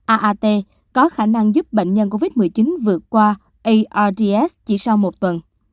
aat có khả năng giúp bệnh nhân covid một mươi chín vượt qua ards chỉ sau một tuần